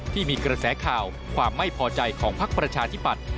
ที่มีกระแสข่าวความไม่พอใจของพักประชาธิปัตย